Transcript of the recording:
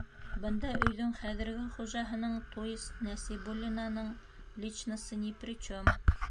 Бында өйҙөң хәҙерге хужаһының, туйыс, Нәсибуллинаның личносы ни при чем!